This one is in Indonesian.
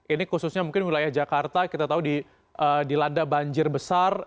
ini khususnya mungkin wilayah jakarta kita tahu dilanda banjir besar